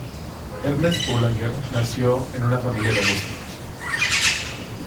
Ernest Boulanger nació en una familia de músicos.